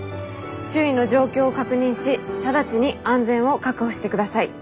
周囲の状況を確認し直ちに安全を確保してください。